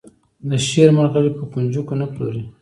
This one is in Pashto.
د شعر مرغلرې په کونجکو نه پلوري.